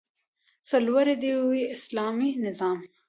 سرلوړی دې وي اسلامي نظام؟